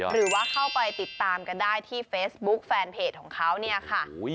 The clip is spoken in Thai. หรือว่าเข้าไปติดตามกันได้ที่เฟซบุ๊คแฟนเพจของเขาเนี่ยค่ะ